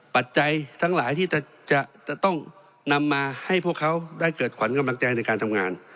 ปัจจัยทั้งหลายที่จะต้องนำมาให้พวกเขาได้เกิดขวัญกำลังใจในการทำงาน